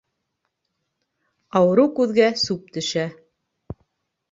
Ауырыу күҙгә сүп төшә.